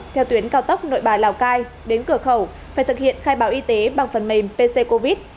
theo tuyến cao tốc nội bài lào cai đến cửa khẩu phải thực hiện khai báo y tế bằng phần mềm pc covid